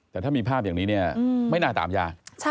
แต่ถ้ามีภาพอย่างนี้เนี่ยไม่น่าตามยาก